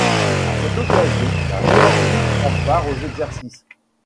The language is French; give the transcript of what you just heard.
À cette occasion, la Géorgie prend part aux exercices.